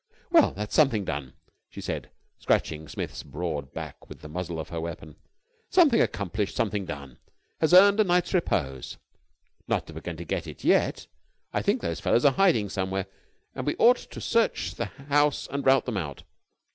"Well, that's something done," she said, scratching Smith's broad back with the muzzle of her weapon. "Something accomplished, something done, has earned a night's repose. Not that we're going to get it yet. I think those fellows are hiding somewhere, and we ought to search the house and rout them out.